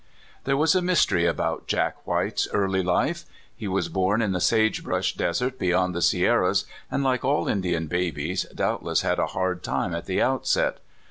There was a mystery about Jack White's early life. He was born in the sage brush desert beyond the Sierras, and, like all Indian babies, doubtless had a hard time at the outset.